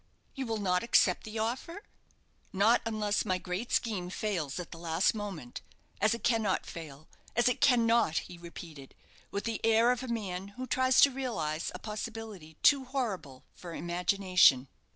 "You will not accept the offer?" "Not unless my great scheme fails at the last moment as it cannot fail as it cannot!" he repeated, with the air of a man who tries to realize a possibility too horrible for imagination.